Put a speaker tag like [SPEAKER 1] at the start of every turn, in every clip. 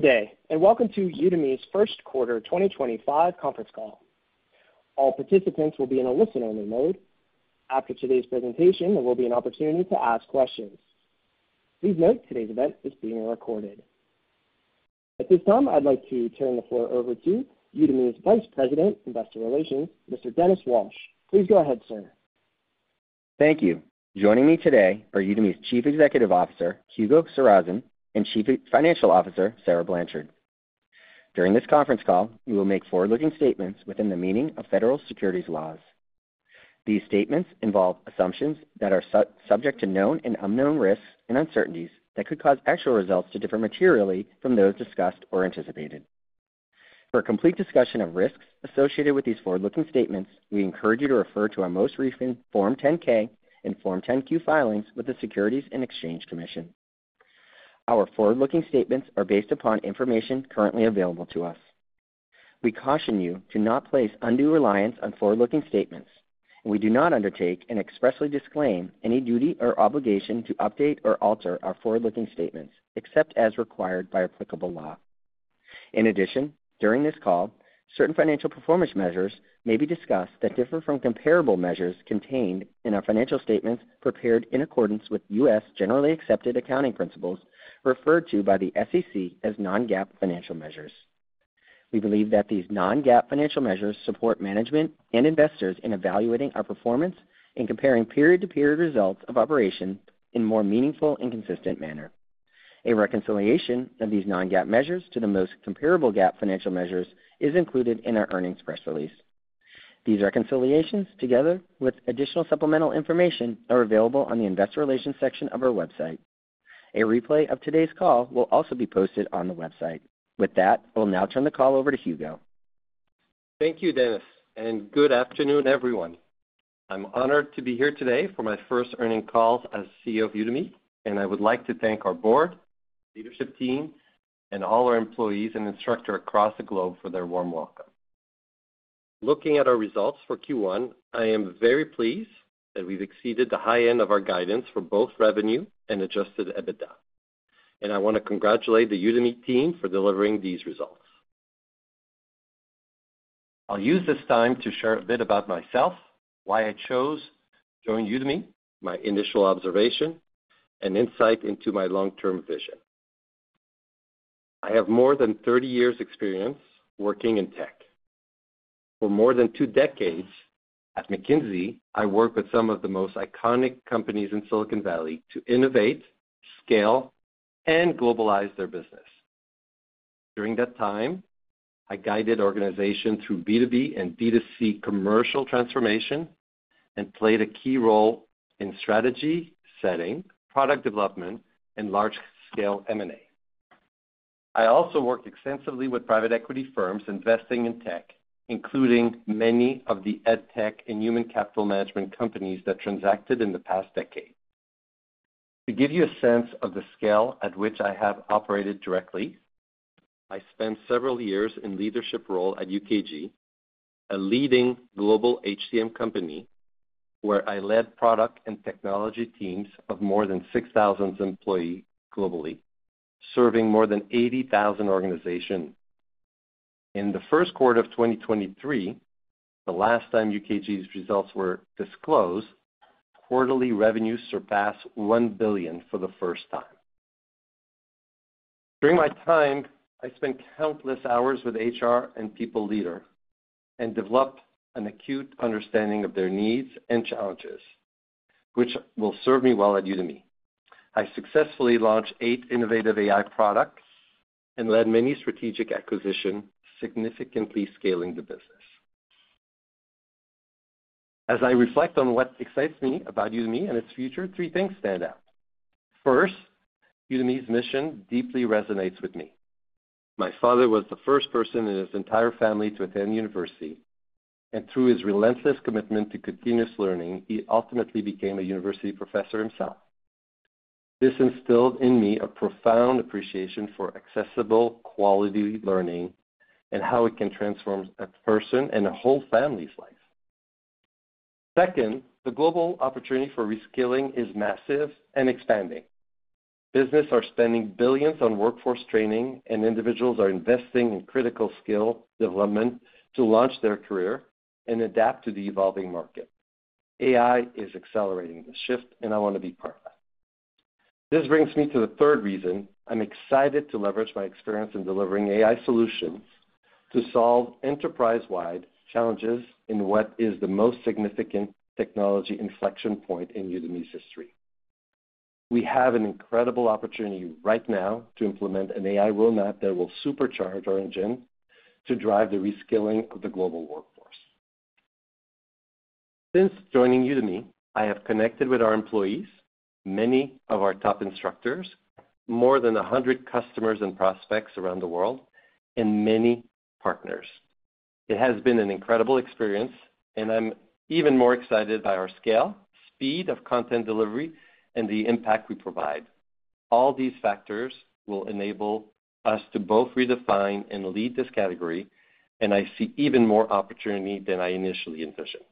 [SPEAKER 1] Good day, and welcome to Udemy's first quarter 2025 conference call. All participants will be in a listen-only mode. After today's presentation, there will be an opportunity to ask questions. Please note today's event is being recorded. At this time, I'd like to turn the floor over to Udemy's Vice President of Investor Relations, Mr. Dennis Walsh. Please go ahead, sir.
[SPEAKER 2] Thank you. Joining me today are Udemy's Chief Executive Officer, Hugo Sarrazin, and Chief Financial Officer, Sarah Blanchard. During this conference call, we will make forward-looking statements within the meaning of federal securities laws. These statements involve assumptions that are subject to known and unknown risks and uncertainties that could cause actual results to differ materially from those discussed or anticipated. For a complete discussion of risks associated with these forward-looking statements, we encourage you to refer to our most recent Form 10-K and Form 10-Q filings with the Securities and Exchange Commission. Our forward-looking statements are based upon information currently available to us. We caution you to not place undue reliance on forward-looking statements, and we do not undertake and expressly disclaim any duty or obligation to update or alter our forward-looking statements except as required by applicable law. In addition, during this call, certain financial performance measures may be discussed that differ from comparable measures contained in our financial statements prepared in accordance with U.S. generally accepted accounting principles referred to by the SEC as non-GAAP financial measures. We believe that these non-GAAP financial measures support management and investors in evaluating our performance and comparing period-to-period results of operation in a more meaningful and consistent manner. A reconciliation of these non-GAAP measures to the most comparable GAAP financial measures is included in our earnings press release. These reconciliations, together with additional supplemental information, are available on the Investor Relations section of our website. A replay of today's call will also be posted on the website. With that, I will now turn the call over to Hugo.
[SPEAKER 3] Thank you, Dennis, and good afternoon, everyone. I'm honored to be here today for my first earnings call as CEO of Udemy, and I would like to thank our board, leadership team, and all our employees and instructors across the globe for their warm welcome. Looking at our results for Q1, I am very pleased that we've exceeded the high end of our guidance for both revenue and adjusted EBITDA, and I want to congratulate the Udemy team for delivering these results. I'll use this time to share a bit about myself, why I chose to join Udemy, my initial observation, and insight into my long-term vision. I have more than 30 years' experience working in tech. For more than two decades at McKinsey, I worked with some of the most iconic companies in Silicon Valley to innovate, scale, and globalize their business. During that time, I guided organizations through B2B and B2C commercial transformation and played a key role in strategy setting, product development, and large-scale M&A. I also worked extensively with private equity firms investing in tech, including many of the EdTech and human capital management companies that transacted in the past decade. To give you a sense of the scale at which I have operated directly, I spent several years in a leadership role at UKG, a leading global HCM company where I led product and technology teams of more than 6,000 employees globally, serving more than 80,000 organizations. In the first quarter of 2023, the last time UKG's results were disclosed, quarterly revenues surpassed $1 billion for the first time. During my time, I spent countless hours with HR and People Leader and developed an acute understanding of their needs and challenges, which will serve me well at Udemy. I successfully launched eight innovative AI products and led many strategic acquisitions, significantly scaling the business. As I reflect on what excites me about Udemy and its future, three things stand out. First, Udemy's mission deeply resonates with me. My father was the first person in his entire family to attend university, and through his relentless commitment to continuous learning, he ultimately became a university professor himself. This instilled in me a profound appreciation for accessible, quality learning and how it can transform a person and a whole family's life. Second, the global opportunity for reskilling is massive and expanding. Businesses are spending billions on workforce training, and individuals are investing in critical skill development to launch their career and adapt to the evolving market. AI is accelerating the shift, and I want to be part of that. This brings me to the third reason I'm excited to leverage my experience in delivering AI solutions to solve enterprise-wide challenges in what is the most significant technology inflection point in Udemy's history. We have an incredible opportunity right now to implement an AI roadmap that will supercharge our engine to drive the reskilling of the global workforce. Since joining Udemy, I have connected with our employees, many of our top instructors, more than 100 customers and prospects around the world, and many partners. It has been an incredible experience, and I'm even more excited by our scale, speed of content delivery, and the impact we provide. All these factors will enable us to both redefine and lead this category, and I see even more opportunity than I initially envisioned.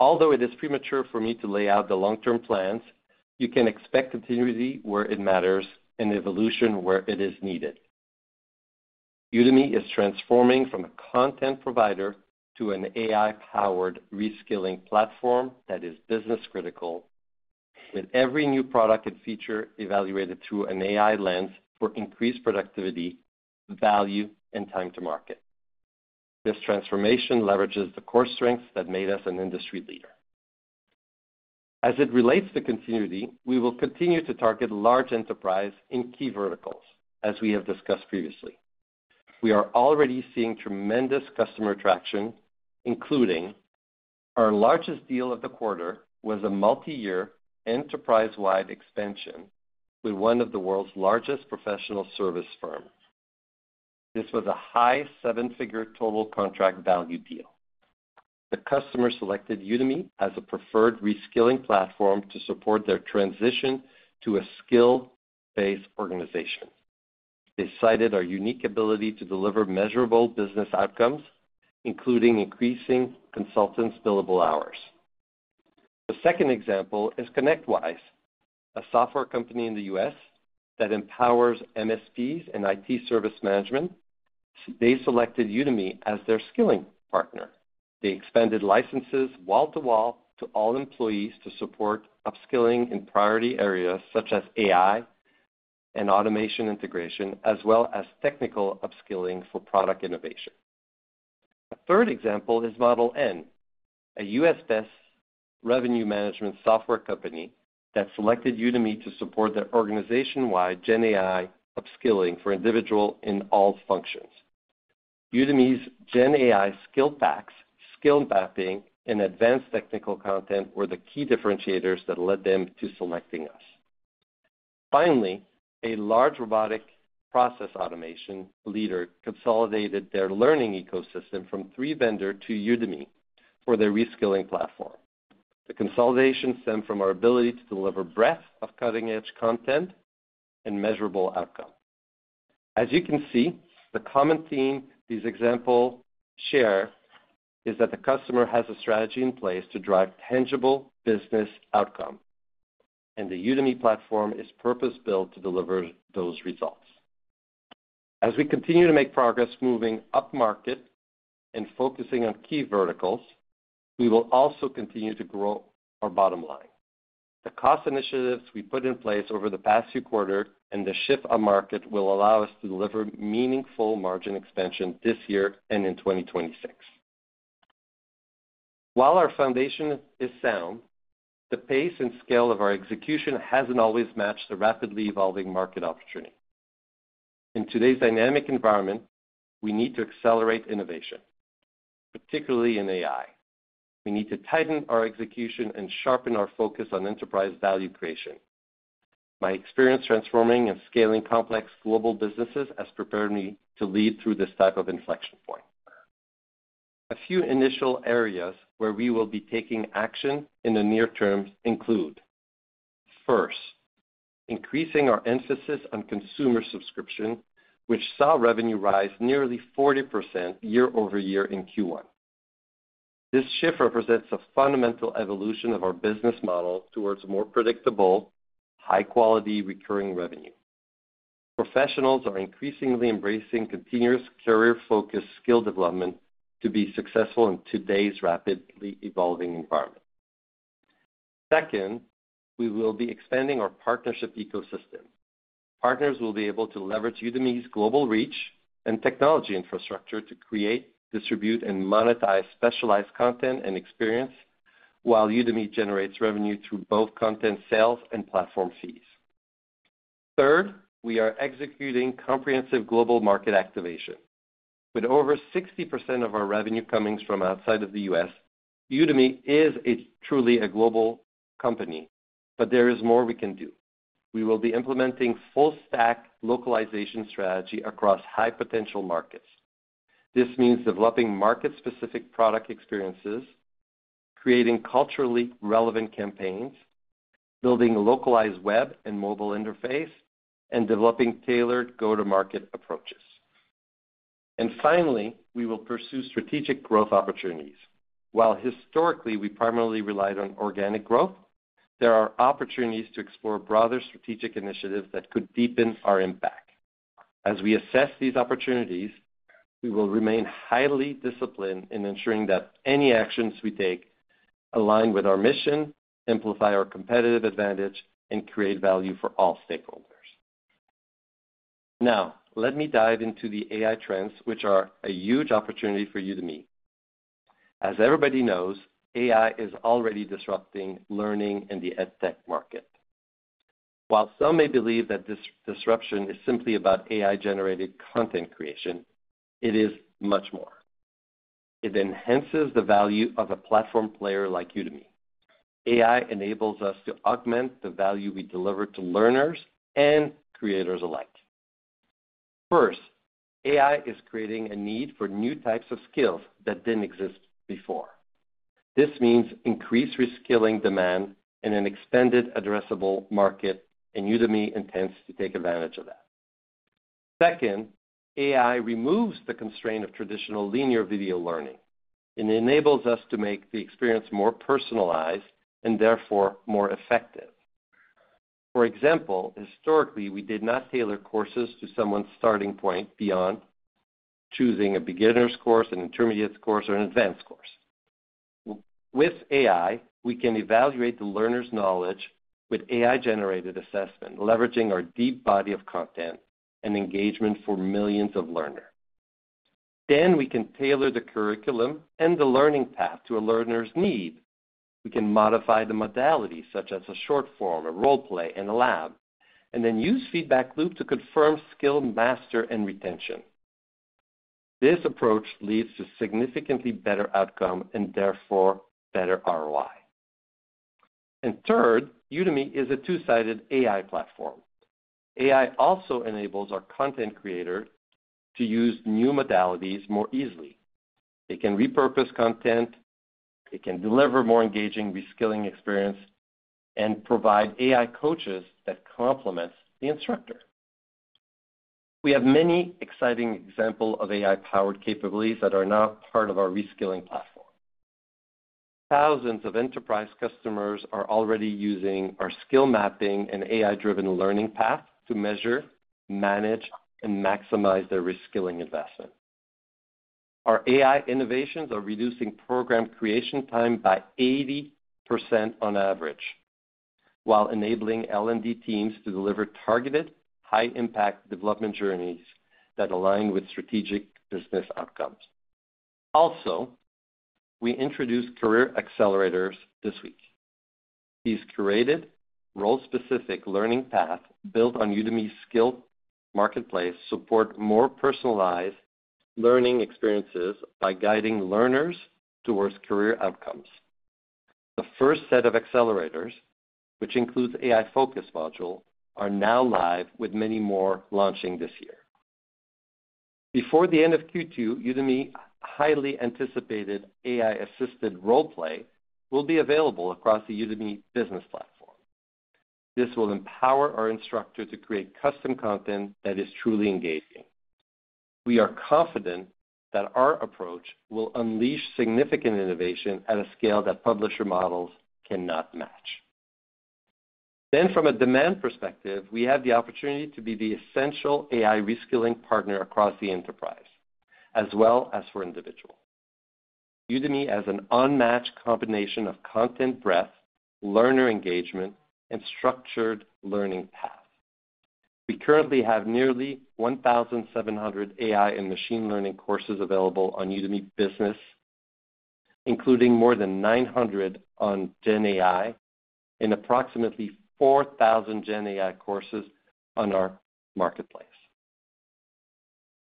[SPEAKER 3] Although it is premature for me to lay out the long-term plans, you can expect continuity where it matters and evolution where it is needed. Udemy is transforming from a content provider to an AI-powered reskilling platform that is business-critical, with every new product and feature evaluated through an AI lens for increased productivity, value, and time to market. This transformation leverages the core strengths that made us an industry leader. As it relates to continuity, we will continue to target large enterprise in key verticals, as we have discussed previously. We are already seeing tremendous customer traction, including our largest deal of the quarter was a multi-year enterprise-wide expansion with one of the world's largest professional service firms. This was a high seven-figure total contract value deal. The customer selected Udemy as a preferred reskilling platform to support their transition to a skill-based organization. They cited our unique ability to deliver measurable business outcomes, including increasing consultants' billable hours. A second example is ConnectWise, a software company in the U.S. that empowers MSPs and IT service management. They selected Udemy as their skilling partner. They expanded licenses wall-to-wall to all employees to support upskilling in priority areas such as AI and automation integration, as well as technical upskilling for product innovation. A third example is Model N, a U.S.-based revenue management software company that selected Udemy to support their organization-wide GenAI upskilling for individuals in all functions. Udemy's GenAI skill packs, skill mapping, and advanced technical content were the key differentiators that led them to selecting us. Finally, a large robotic process automation leader consolidated their learning ecosystem from three vendors to Udemy for their reskilling platform. The consolidation stemmed from our ability to deliver breadth of cutting-edge content and measurable outcomes. As you can see, the common theme these examples share is that the customer has a strategy in place to drive tangible business outcomes, and the Udemy platform is purpose-built to deliver those results. As we continue to make progress moving up market and focusing on key verticals, we will also continue to grow our bottom line. The cost initiatives we put in place over the past few quarters and the shift on market will allow us to deliver meaningful margin expansion this year and in 2026. While our foundation is sound, the pace and scale of our execution has not always matched the rapidly evolving market opportunity. In today's dynamic environment, we need to accelerate innovation, particularly in AI. We need to tighten our execution and sharpen our focus on enterprise value creation. My experience transforming and scaling complex global businesses has prepared me to lead through this type of inflection point. A few initial areas where we will be taking action in the near term include: first, increasing our emphasis on consumer subscription, which saw revenue rise nearly 40% year-over-year in Q1. This shift represents a fundamental evolution of our business model towards more predictable, high-quality recurring revenue. Professionals are increasingly embracing continuous career-focused skill development to be successful in today's rapidly evolving environment. Second, we will be expanding our partnership ecosystem. Partners will be able to leverage Udemy's global reach and technology infrastructure to create, distribute, and monetize specialized content and experience, while Udemy generates revenue through both content sales and platform fees. Third, we are executing comprehensive global market activation. With over 60% of our revenue coming from outside of the U.S., Udemy is truly a global company, but there is more we can do. We will be implementing a full-stack localization strategy across high-potential markets. This means developing market-specific product experiences, creating culturally relevant campaigns, building a localized web and mobile interface, and developing tailored go-to-market approaches. Finally, we will pursue strategic growth opportunities. While historically we primarily relied on organic growth, there are opportunities to explore broader strategic initiatives that could deepen our impact. As we assess these opportunities, we will remain highly disciplined in ensuring that any actions we take align with our mission, amplify our competitive advantage, and create value for all stakeholders. Now, let me dive into the AI trends, which are a huge opportunity for Udemy. As everybody knows, AI is already disrupting learning in the EdTech market. While some may believe that this disruption is simply about AI-generated content creation, it is much more. It enhances the value of a platform player like Udemy. AI enables us to augment the value we deliver to learners and creators alike. First, AI is creating a need for new types of skills that did not exist before. This means increased reskilling demand in an expanded, addressable market, and Udemy intends to take advantage of that. Second, AI removes the constraint of traditional linear video learning. It enables us to make the experience more personalized and therefore more effective. For example, historically, we did not tailor courses to someone's starting point beyond choosing a beginner's course, an intermediate course, or an advanced course. With AI, we can evaluate the learner's knowledge with AI-generated assessment, leveraging our deep body of content and engagement for millions of learners. We can tailor the curriculum and the learning path to a learner's need. We can modify the modalities, such as a short form, a role play, and a lab, and then use feedback loops to confirm skill mastery and retention. This approach leads to significantly better outcomes and therefore better ROI. Third, Udemy is a two-sided AI platform. AI also enables our content creators to use new modalities more easily. They can repurpose content. They can deliver a more engaging reskilling experience and provide AI coaches that complement the instructor. We have many exciting examples of AI-powered capabilities that are now part of our reskilling platform. Thousands of enterprise customers are already using our skill mapping and AI-driven learning path to measure, manage, and maximize their reskilling investment. Our AI innovations are reducing program creation time by 80% on average, while enabling L&D teams to deliver targeted, high-impact development journeys that align with strategic business outcomes. Also, we introduced Career Accelerators this week. These curated, role-specific learning paths built on Udemy's skill marketplace support more personalized learning experiences by guiding learners towards career outcomes. The first set of accelerators, which includes the AI-focused module, are now live, with many more launching this year. Before the end of Q2, Udemy's highly anticipated AI-assisted role play will be available across the Udemy Business platform. This will empower our instructors to create custom content that is truly engaging. We are confident that our approach will unleash significant innovation at a scale that publisher models cannot match. From a demand perspective, we have the opportunity to be the essential AI reskilling partner across the enterprise, as well as for individuals. Udemy has an unmatched combination of content breadth, learner engagement, and structured learning path. We currently have nearly 1,700 AI and machine learning courses available on Udemy Business, including more than 900 on GenAI and approximately 4,000 GenAI courses on our marketplace.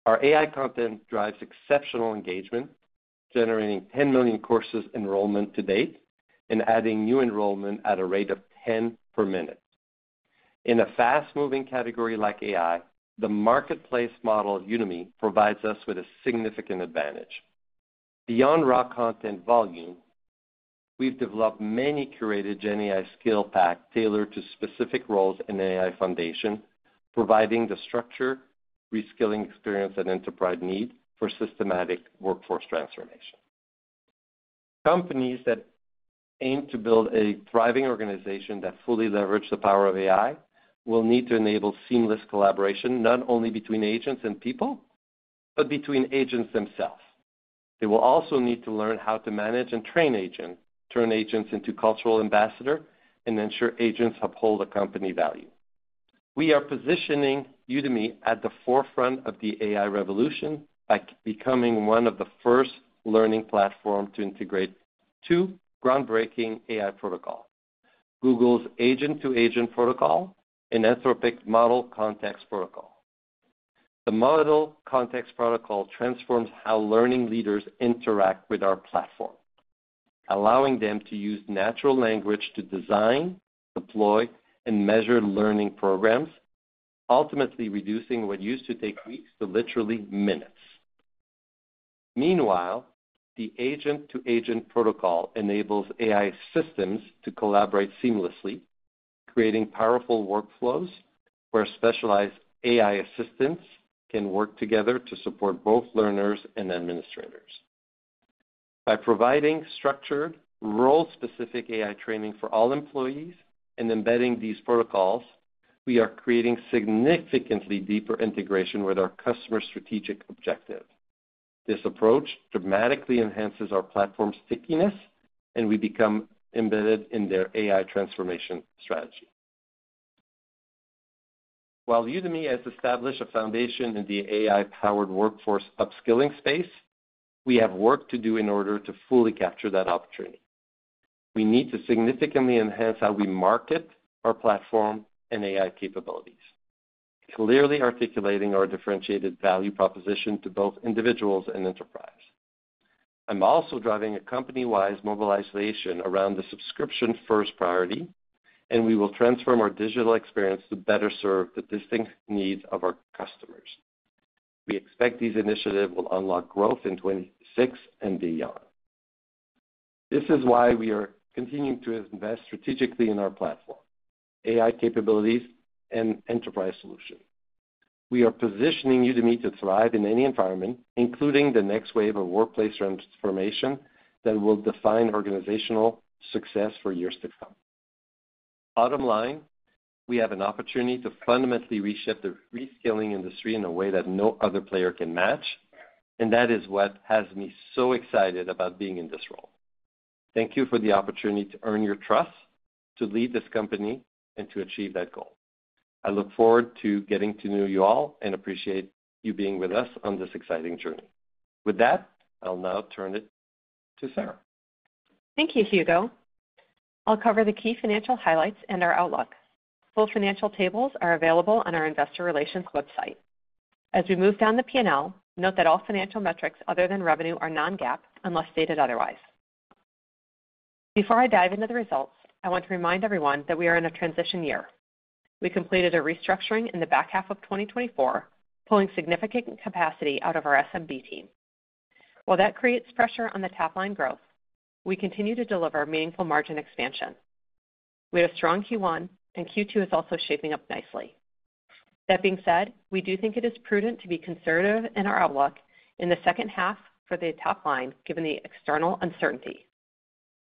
[SPEAKER 3] Our AI content drives exceptional engagement, generating 10 million course enrollments to date and adding new enrollments at a rate of 10 per minute. In a fast-moving category like AI, the marketplace model of Udemy provides us with a significant advantage. Beyond raw content volume, we have developed many curated GenAI skill packs tailored to specific roles in the AI foundation, providing the structured reskilling experience that enterprises need for systematic workforce transformation. Companies that aim to build a thriving organization that fully leverages the power of AI will need to enable seamless collaboration not only between agents and people, but between agents themselves. They will also need to learn how to manage and train agents, turn agents into cultural ambassadors, and ensure agents uphold the company value. We are positioning Udemy at the forefront of the AI revolution by becoming one of the first learning platforms to integrate two groundbreaking AI protocols: Google's Agent-to-Agent Protocol and Anthropic's Model Context Protocol. The Model Context Protocol transforms how learning leaders interact with our platform, allowing them to use natural language to design, deploy, and measure learning programs, ultimately reducing what used to take weeks to literally minutes. Meanwhile, the Agent-to-Agent Protocol enables AI systems to collaborate seamlessly, creating powerful workflows where specialized AI assistants can work together to support both learners and administrators. By providing structured, role-specific AI training for all employees and embedding these protocols, we are creating significantly deeper integration with our customer strategic objectives. This approach dramatically enhances our platform's stickiness, and we become embedded in their AI transformation strategy. While Udemy has established a foundation in the AI-powered workforce upskilling space, we have work to do in order to fully capture that opportunity. We need to significantly enhance how we market our platform and AI capabilities, clearly articulating our differentiated value proposition to both individuals and enterprises. I'm also driving a company-wide mobilization around the subscription-first priority, and we will transform our digital experience to better serve the distinct needs of our customers. We expect these initiatives will unlock growth in 2026 and beyond. This is why we are continuing to invest strategically in our platform, AI capabilities, and enterprise solutions. We are positioning Udemy to thrive in any environment, including the next wave of workplace transformation that will define organizational success for years to come. Bottom line, we have an opportunity to fundamentally reshape the reskilling industry in a way that no other player can match, and that is what has me so excited about being in this role. Thank you for the opportunity to earn your trust, to lead this company, and to achieve that goal. I look forward to getting to know you all and appreciate you being with us on this exciting journey. With that, I'll now turn it to Sarah.
[SPEAKER 4] Thank you, Hugo. I'll cover the key financial highlights and our outlook. Full financial tables are available on our Investor Relations website. As we move down the P&L, note that all financial metrics other than revenue are non-GAAP unless stated otherwise. Before I dive into the results, I want to remind everyone that we are in a transition year. We completed a restructuring in the back half of 2024, pulling significant capacity out of our SMB team. While that creates pressure on the top-line growth, we continue to deliver meaningful margin expansion. We have a strong Q1, and Q2 is also shaping up nicely. That being said, we do think it is prudent to be conservative in our outlook in the second half for the top line, given the external uncertainty.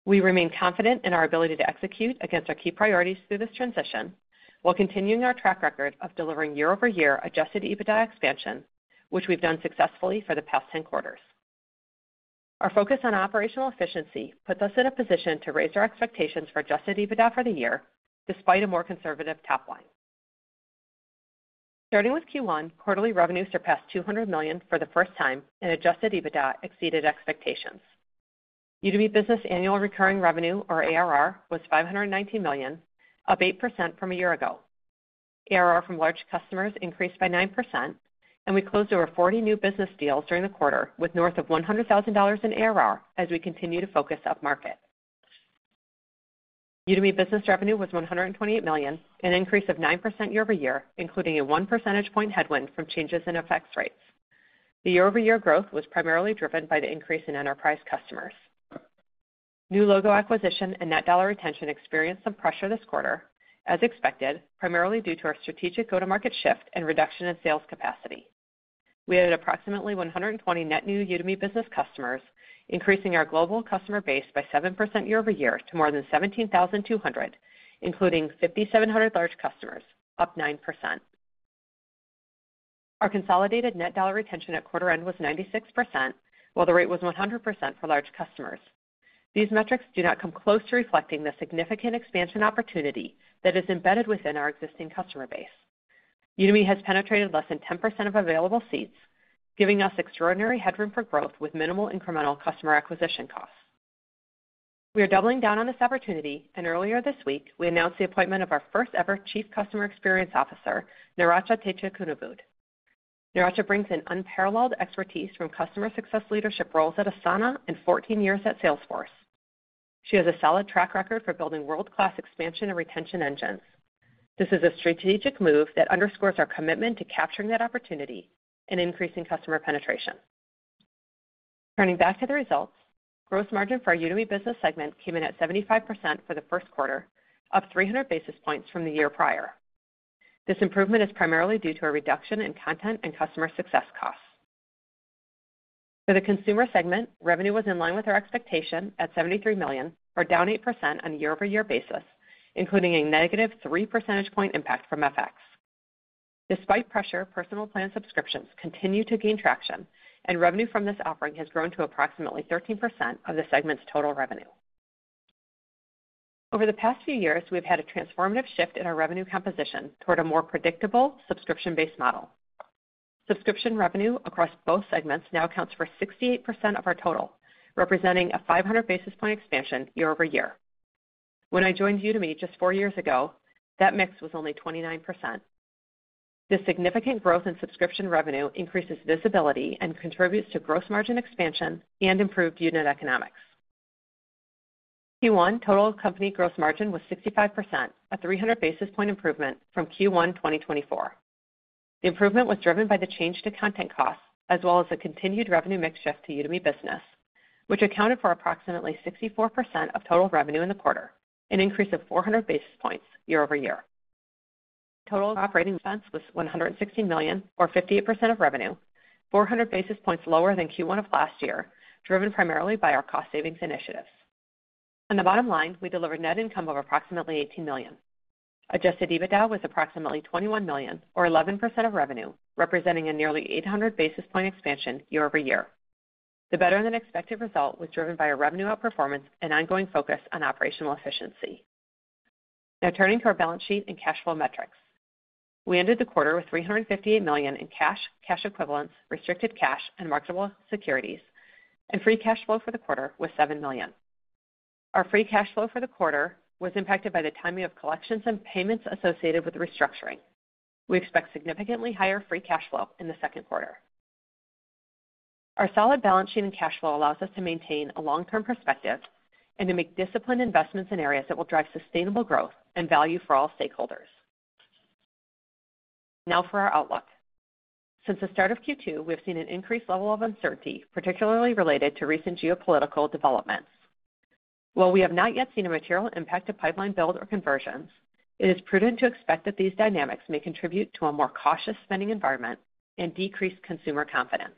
[SPEAKER 4] We remain confident in our ability to execute against our key priorities through this transition while continuing our track record of delivering year-over-year adjusted EBITDA expansion, which we've done successfully for the past 10 quarters. Our focus on operational efficiency puts us in a position to raise our expectations for adjusted EBITDA for the year, despite a more conservative top line. Starting with Q1, quarterly revenue surpassed $200 million for the first time, and adjusted EBITDA exceeded expectations. Udemy Business' annual recurring revenue, or ARR, was $519 million, up 8% from a year ago. ARR from large customers increased by 9%, and we closed over 40 new business deals during the quarter, with north of $100,000 in ARR as we continue to focus up-market. Udemy Business revenue was $128 million, an increase of 9% year-over-year, including a 1 percentage point headwind from changes in FX rates. The year-over-year growth was primarily driven by the increase in enterprise customers. New logo acquisition and net dollar retention experienced some pressure this quarter, as expected, primarily due to our strategic go-to-market shift and reduction in sales capacity. We added approximately 120 net new Udemy Business customers, increasing our global customer base by 7% year-over-year to more than 17,200, including 5,700 large customers, up 9%. Our consolidated net dollar retention at quarter-end was 96%, while the rate was 100% for large customers. These metrics do not come close to reflecting the significant expansion opportunity that is embedded within our existing customer base. Udemy has penetrated less than 10% of available seats, giving us extraordinary headroom for growth with minimal incremental customer acquisition costs. We are doubling down on this opportunity, and earlier this week, we announced the appointment of our first-ever Chief Customer Experience Officer, Naracha Techakunavud. Naracha brings an unparalleled expertise from customer success leadership roles at Asana and 14 years at Salesforce. She has a solid track record for building world-class expansion and retention engines. This is a strategic move that underscores our commitment to capturing that opportunity and increasing customer penetration. Turning back to the results, gross margin for our Udemy Business segment came in at 75% for the first quarter, up 300 basis points from the year prior. This improvement is primarily due to a reduction in content and customer success costs. For the consumer segment, revenue was in line with our expectation at $73 million, or down 8% on a year-over-year basis, including a negative 3 percentage point impact from FX. Despite pressure, Personal Plan subscriptions continue to gain traction, and revenue from this offering has grown to approximately 13% of the segment's total revenue. Over the past few years, we've had a transformative shift in our revenue composition toward a more predictable subscription-based model. Subscription revenue across both segments now accounts for 68% of our total, representing a 500 basis point expansion year-over-year. When I joined Udemy just four years ago, that mix was only 29%. This significant growth in subscription revenue increases visibility and contributes to gross margin expansion and improved unit economics. Q1 total company gross margin was 65%, a 300 basis point improvement from Q1 2024. The improvement was driven by the change to content costs, as well as the continued revenue mix shift to Udemy Business, which accounted for approximately 64% of total revenue in the quarter, an increase of 400 basis points year-over-year. Total operating expense was $116 million, or 58% of revenue, 400 basis points lower than Q1 of last year, driven primarily by our cost savings initiatives. On the bottom line, we delivered net income of approximately $18 million. Adjusted EBITDA was approximately $21 million, or 11% of revenue, representing a nearly 800 basis point expansion year-over-year. The better-than-expected result was driven by our revenue outperformance and ongoing focus on operational efficiency. Now, turning to our balance sheet and cash flow metrics. We ended the quarter with $358 million in cash, cash equivalents, restricted cash, and marketable securities, and free cash flow for the quarter was $7 million. Our free cash flow for the quarter was impacted by the timing of collections and payments associated with restructuring. We expect significantly higher free cash flow in the second quarter. Our solid balance sheet and cash flow allows us to maintain a long-term perspective and to make disciplined investments in areas that will drive sustainable growth and value for all stakeholders. Now for our outlook. Since the start of Q2, we have seen an increased level of uncertainty, particularly related to recent geopolitical developments. While we have not yet seen a material impact of pipeline build or conversions, it is prudent to expect that these dynamics may contribute to a more cautious spending environment and decreased consumer confidence.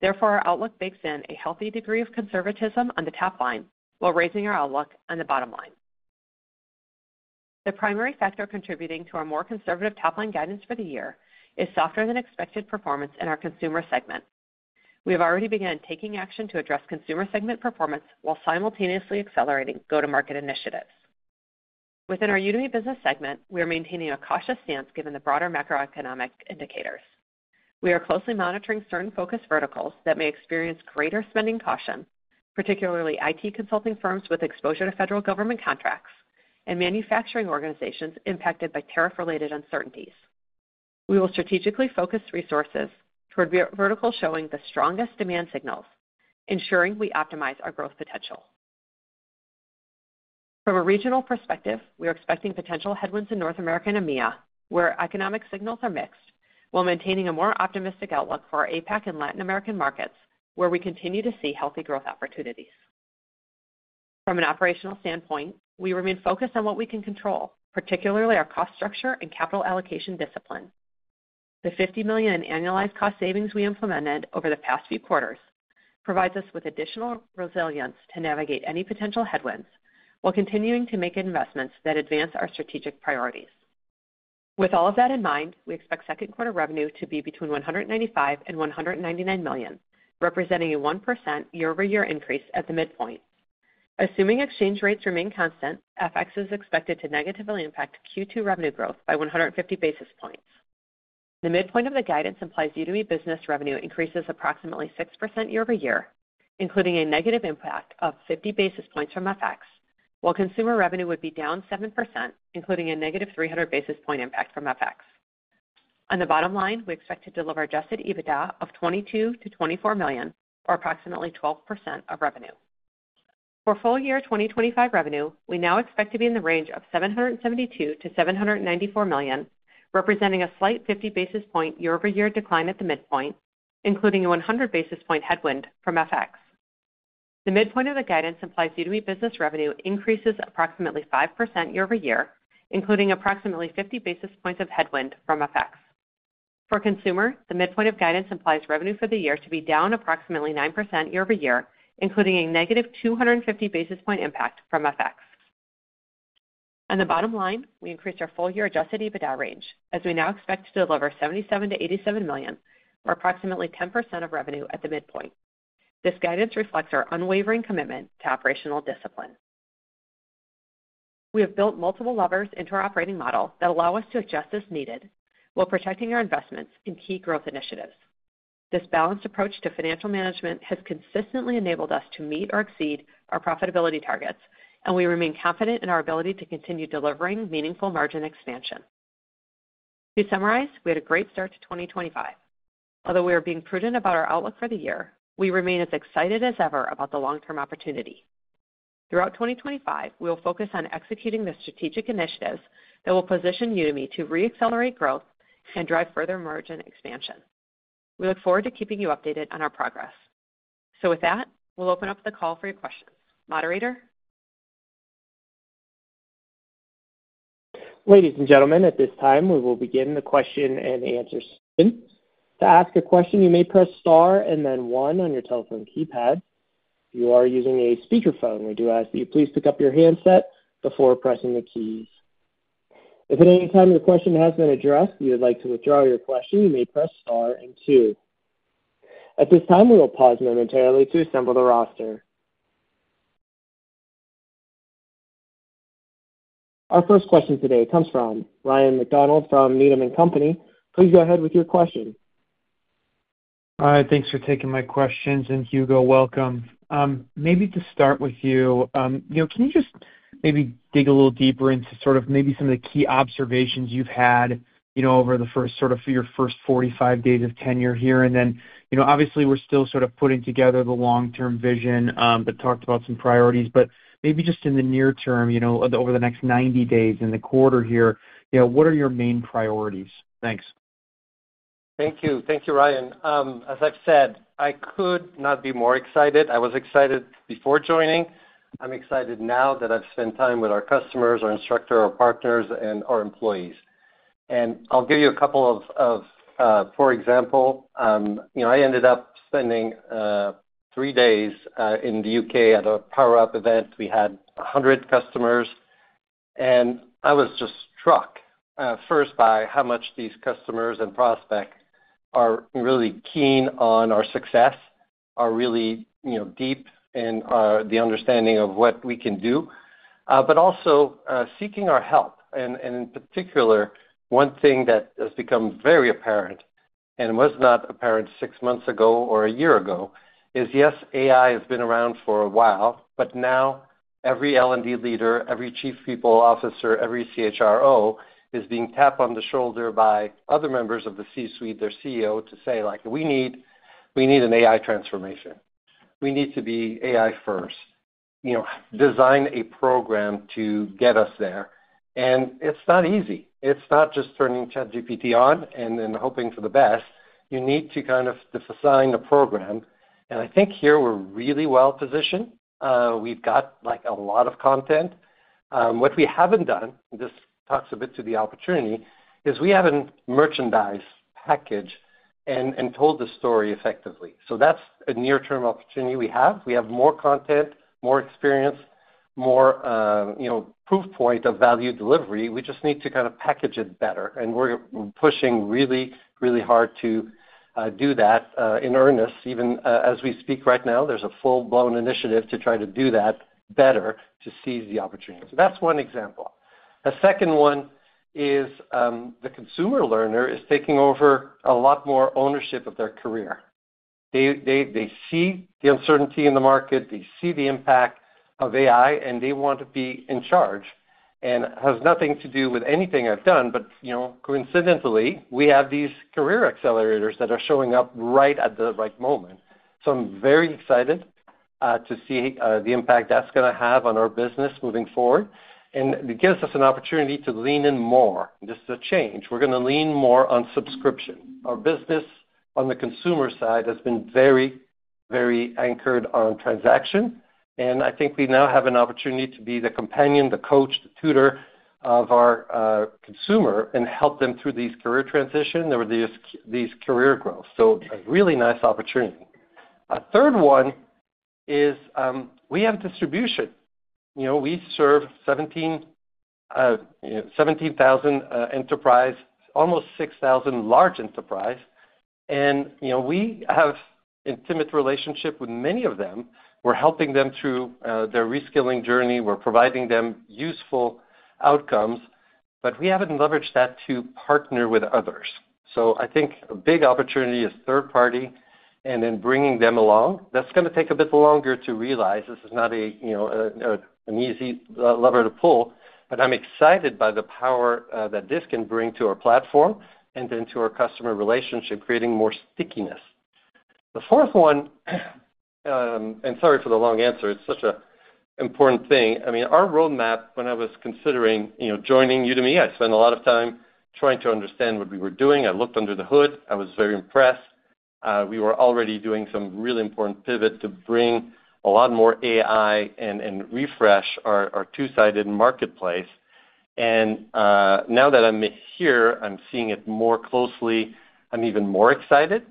[SPEAKER 4] Therefore, our outlook bakes in a healthy degree of conservatism on the top line while raising our outlook on the bottom line. The primary factor contributing to our more conservative top-line guidance for the year is softer-than-expected performance in our consumer segment. We have already begun taking action to address consumer segment performance while simultaneously accelerating go-to-market initiatives. Within our Udemy Business segment, we are maintaining a cautious stance given the broader macroeconomic indicators. We are closely monitoring certain focus verticals that may experience greater spending caution, particularly IT consulting firms with exposure to federal government contracts and manufacturing organizations impacted by tariff-related uncertainties. We will strategically focus resources toward verticals showing the strongest demand signals, ensuring we optimize our growth potential. From a regional perspective, we are expecting potential headwinds in North America and EMEA, where economic signals are mixed, while maintaining a more optimistic outlook for our APAC and Latin American markets, where we continue to see healthy growth opportunities. From an operational standpoint, we remain focused on what we can control, particularly our cost structure and capital allocation discipline. The $50 million in annualized cost savings we implemented over the past few quarters provides us with additional resilience to navigate any potential headwinds while continuing to make investments that advance our strategic priorities. With all of that in mind, we expect second quarter revenue to be between $195-$199 million, representing a 1% year-over-year increase at the midpoint. Assuming exchange rates remain constant, FX is expected to negatively impact Q2 revenue growth by 150 basis points. The midpoint of the guidance implies Udemy Business revenue increases approximately 6% year-over-year, including a negative impact of 50 basis points from FX, while consumer revenue would be down 7%, including a negative 300 basis point impact from FX. On the bottom line, we expect to deliver adjusted EBITDA of $22-$24 million, or approximately 12% of revenue. For full year 2025 revenue, we now expect to be in the range of $772-$794 million, representing a slight 50 basis point year-over-year decline at the midpoint, including a 100 basis point headwind from FX. The midpoint of the guidance implies Udemy Business revenue increases approximately 5% year-over-year, including approximately 50 basis points of headwind from FX. For consumer, the midpoint of guidance implies revenue for the year to be down approximately 9% year-over-year, including a negative 250 basis point impact from FX. On the bottom line, we increase our full year adjusted EBITDA range, as we now expect to deliver $77-$87 million, or approximately 10% of revenue at the midpoint. This guidance reflects our unwavering commitment to operational discipline. We have built multiple levers into our operating model that allow us to adjust as needed while protecting our investments in key growth initiatives. This balanced approach to financial management has consistently enabled us to meet or exceed our profitability targets, and we remain confident in our ability to continue delivering meaningful margin expansion. To summarize, we had a great start to 2025. Although we are being prudent about our outlook for the year, we remain as excited as ever about the long-term opportunity. Throughout 2025, we will focus on executing the strategic initiatives that will position Udemy to re-accelerate growth and drive further margin expansion. We look forward to keeping you updated on our progress. With that, we will open up the call for your questions. Moderator?
[SPEAKER 5] Ladies and gentlemen, at this time, we will begin the question and answer session. To ask a question, you may press Star and then 1 on your telephone keypad. If you are using a speakerphone, we do ask that you please pick up your handset before pressing the keys. If at any time your question has been addressed and you would like to withdraw your question, you may press Star and 2. At this time, we will pause momentarily to assemble the roster. Our first question today comes from Ryan McDonald from Needham & Company. Please go ahead with your question.
[SPEAKER 6] Hi, thanks for taking my questions. Hugo, welcome.
[SPEAKER 3] Maybe to start with you, can you just maybe dig a little deeper into sort of maybe some of the key observations you've had over the first sort of your first 45 days of tenure here? Obviously, we're still sort of putting together the long-term vision but talked about some priorities. Maybe just in the near term, over the next 90 days in the quarter here, what are your main priorities? Thanks. Thank you. Thank you, Ryan. As I've said, I could not be more excited. I was excited before joining. I'm excited now that I've spent time with our customers, our instructor, our partners, and our employees. I'll give you a couple of, for example, I ended up spending three days in the U.K. at a Power Up event. We had 100 customers, and I was just struck first by how much these customers and prospects are really keen on our success, are really deep in the understanding of what we can do, but also seeking our help. In particular, one thing that has become very apparent and was not apparent six months ago or a year ago is, yes, AI has been around for a while, but now every L&D leader, every Chief People Officer, every CHRO is being tapped on the shoulder by other members of the C-suite, their CEO, to say, "We need an AI transformation. We need to be AI first. Design a program to get us there." It is not easy. It is not just turning ChatGPT on and then hoping for the best. You need to kind of design a program. I think here we are really well positioned. We've got a lot of content. What we haven't done, this talks a bit to the opportunity, is we haven't merchandised, packaged, and told the story effectively. That is a near-term opportunity we have. We have more content, more experience, more proof point of value delivery. We just need to kind of package it better. We're pushing really, really hard to do that in earnest. Even as we speak right now, there is a full-blown initiative to try to do that better to seize the opportunity. That is one example. A second one is the consumer learner is taking over a lot more ownership of their career. They see the uncertainty in the market. They see the impact of AI, and they want to be in charge. It has nothing to do with anything I've done, but coincidentally, we have these Career Accelerators that are showing up right at the right moment. I am very excited to see the impact that's going to have on our business moving forward. It gives us an opportunity to lean in more. This is a change. We are going to lean more on subscription. Our business on the consumer side has been very, very anchored on transaction. I think we now have an opportunity to be the companion, the coach, the tutor of our consumer and help them through these career transitions or these career growths. A really nice opportunity. A third one is we have distribution. We serve 17,000 enterprise, almost 6,000 large enterprise. We have an intimate relationship with many of them. We are helping them through their reskilling journey. We are providing them useful outcomes. We have not leveraged that to partner with others. I think a big opportunity is third-party and then bringing them along. That is going to take a bit longer to realize. This is not an easy lever to pull. I am excited by the power that this can bring to our platform and to our customer relationship, creating more stickiness. The fourth one, and sorry for the long answer, it is such an important thing. I mean, our roadmap, when I was considering joining Udemy, I spent a lot of time trying to understand what we were doing. I looked under the hood. I was very impressed. We were already doing some really important pivots to bring a lot more AI and refresh our two-sided marketplace. Now that I am here, I am seeing it more closely. I am even more excited.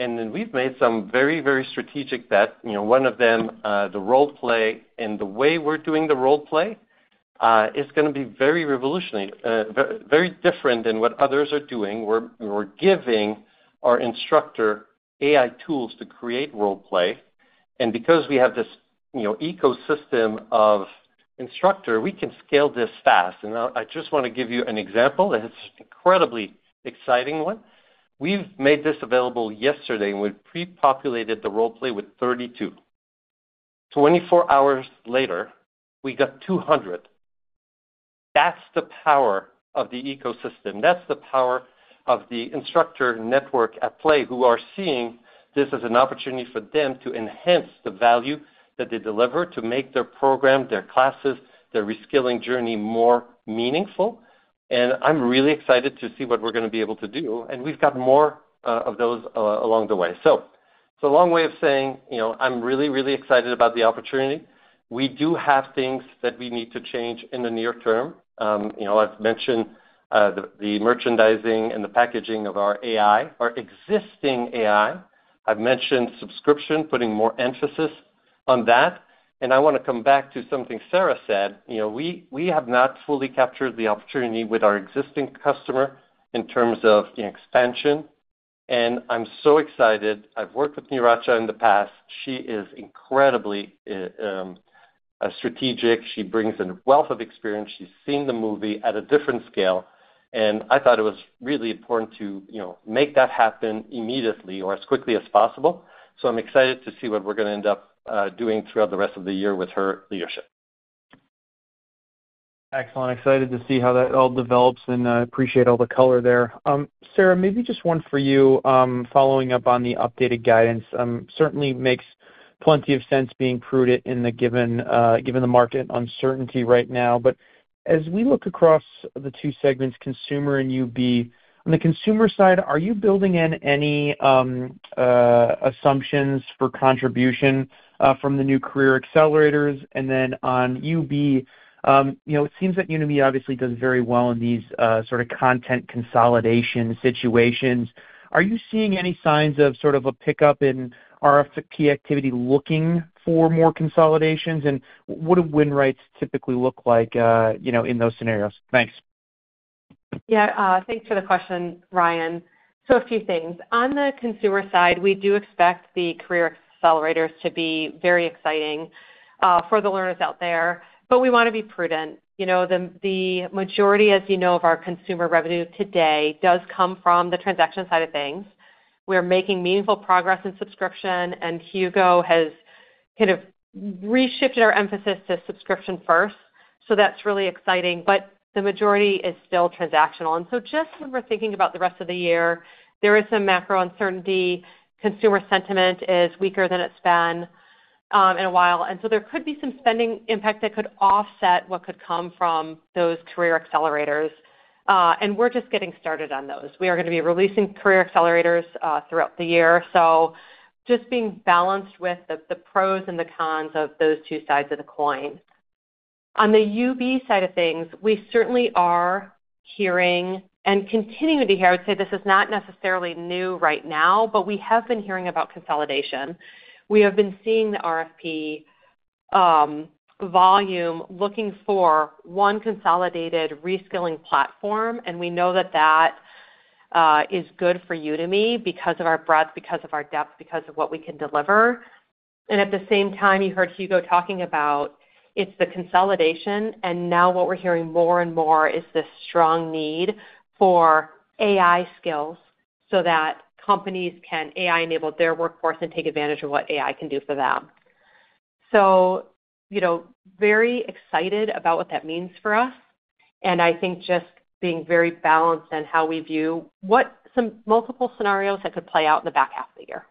[SPEAKER 3] We have made some very, very strategic bets. One of them, the role play and the way we're doing the role play is going to be very revolutionary, very different than what others are doing. We're giving our instructor AI tools to create role play. Because we have this ecosystem of instructor, we can scale this fast. I just want to give you an example that's an incredibly exciting one. We've made this available yesterday and we pre-populated the role play with 32. Twenty-four hours later, we got 200. That's the power of the ecosystem. That's the power of the instructor network at play who are seeing this as an opportunity for them to enhance the value that they deliver to make their program, their classes, their reskilling journey more meaningful. I'm really excited to see what we're going to be able to do. We've got more of those along the way. It's a long way of saying I'm really, really excited about the opportunity. We do have things that we need to change in the near term. I have mentioned the merchandising and the packaging of our AI, our existing AI. I have mentioned subscription, putting more emphasis on that. I want to come back to something Sarah said. We have not fully captured the opportunity with our existing customer in terms of expansion. I'm so excited. I have worked with Naracha in the past. She is incredibly strategic. She brings a wealth of experience. She has seen the movie at a different scale. I thought it was really important to make that happen immediately or as quickly as possible. I'm excited to see what we're going to end up doing throughout the rest of the year with her leadership.
[SPEAKER 6] Excellent. Excited to see how that all develops. I appreciate all the color there. Sarah, maybe just one for you, following up on the updated guidance. Certainly makes plenty of sense being prudent in the given market uncertainty right now. As we look across the two segments, consumer and UB, on the consumer side, are you building in any assumptions for contribution from the new career accelerators? On UB, it seems that Udemy obviously does very well in these sort of content consolidation situations. Are you seeing any signs of a pickup in RFP activity looking for more consolidations? What do win rates typically look like in those scenarios? Thanks.
[SPEAKER 4] Yeah. Thanks for the question, Ryan. A few things. On the consumer side, we do expect the career accelerators to be very exciting for the learners out there. We want to be prudent. The majority, as you know, of our consumer revenue today does come from the transaction side of things. We are making meaningful progress in subscription. Hugo has kind of reshifted our emphasis to subscription first. That is really exciting. The majority is still transactional. Just when we are thinking about the rest of the year, there is some macro uncertainty. Consumer sentiment is weaker than it has been in a while. There could be some spending impact that could offset what could come from those career accelerators. We are just getting started on those. We are going to be releasing career accelerators throughout the year. Just being balanced with the pros and the cons of those two sides of the coin. On the UB side of things, we certainly are hearing and continue to hear. I would say this is not necessarily new right now, but we have been hearing about consolidation. We have been seeing the RFP volume looking for one consolidated reskilling platform. We know that that is good for Udemy because of our breadth, because of our depth, because of what we can deliver. At the same time, you heard Hugo talking about it's the consolidation. Now what we're hearing more and more is this strong need for AI skills so that companies can AI-enable their workforce and take advantage of what AI can do for them. Very excited about what that means for us. I think just being very balanced in how we view what some multiple scenarios that could play out in the back half of the year.